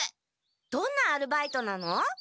どんなアルバイトなの？